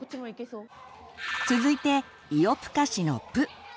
続いてイオプカシの「プ」。